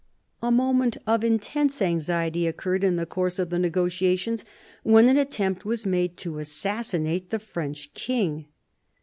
A moment of intense anxiety occurred in the course of the negotiations when an attempt was made to assassinate the French king.